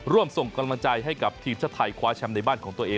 ร่วมส่งกำลังใจให้กับทีมชาติไทยคว้าแชมป์ในบ้านของตัวเอง